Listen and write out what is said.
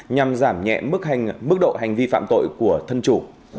nhằm giảm nhẹ mức độ hành vi phạm tội của thân chủ